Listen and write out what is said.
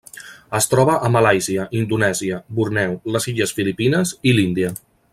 Es troba a Malàisia, Indonèsia, Borneo, les illes Filipines i l'Índia.